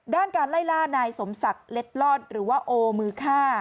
ด้านการไล่ล่านายสมศักดิ์เล็ดลอดหรือว่าโอมือฆ่า